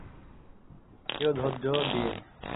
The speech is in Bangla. কেউ ধৈর্য্য দিয়ে।